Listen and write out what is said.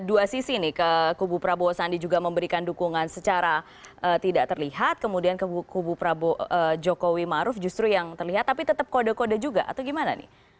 dua sisi nih ke kubu prabowo sandi juga memberikan dukungan secara tidak terlihat kemudian ke kubu prabowo jokowi maruf justru yang terlihat tapi tetap kode kode juga atau gimana nih